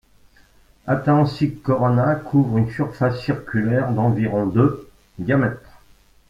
Atahensik Corona couvre une surface circulaire d'environ de diamètre.